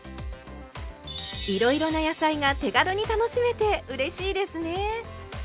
いろいろな野菜が手軽に楽しめてうれしいですね。